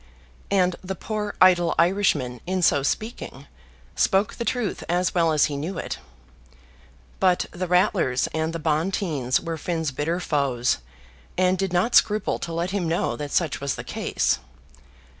And the poor idle Irishman, in so speaking, spoke the truth as well as he knew it. But the Ratlers and the Bonteens were Finn's bitter foes, and did not scruple to let him know that such was the case.